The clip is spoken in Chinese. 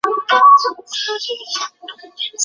蛛毛车前为车前科车前属下的一个种。